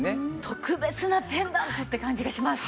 特別なペンダントって感じがします。